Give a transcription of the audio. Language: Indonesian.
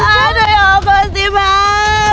aduh ya allah kusih bang